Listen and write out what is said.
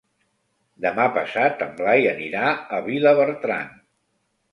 Demà passat en Blai anirà a Vilabertran.